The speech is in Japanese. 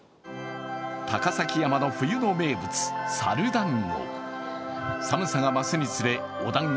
高崎山の冬の名物、猿だんご。